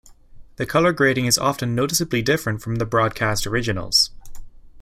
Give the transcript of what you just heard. The colour grading is often noticeably different from the broadcast originals.